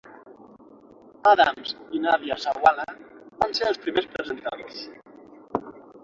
Adams i Nadia Sawalha van ser els primers presentadors.